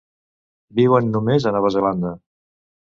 Viuen només a Nova Zelanda.